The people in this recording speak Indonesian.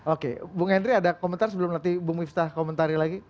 oke bung hendry ada komentar sebelum nanti bung miftah komentari lagi